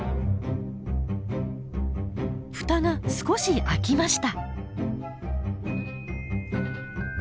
フタが少し開きました。